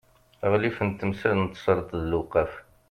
aɣlif n temsal n tesreḍt d lewqaf